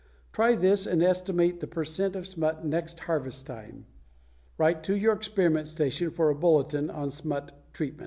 Try this and estimate the per cent of smut at next harvest time. Write to your experiment station for a bulletin on smut treatment.